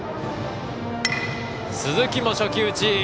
鈴木も初球打ち。